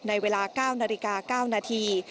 ในเวลา๙นาฬิกา๙นาที